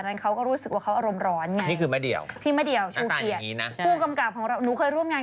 หรือว่าพี่พูดเองปุชชา๓ข้อนะ